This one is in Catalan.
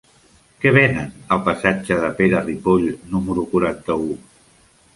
Què venen al passatge de Pere Ripoll número quaranta-u?